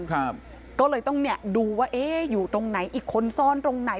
ครับก็เลยต้องเนี่ยดูว่าเอ๊ะอยู่ตรงไหนอีกคนซ่อนตรงไหน